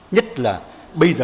nhất là bây giờ